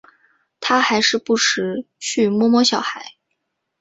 他还是不时去摸摸小孩